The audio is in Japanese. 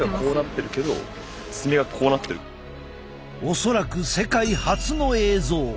恐らく世界初の映像！